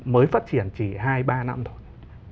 mới phát triển chỉ hai ba năm thôi